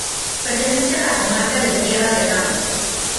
Pertenece a la comarca de Tierra de Campos.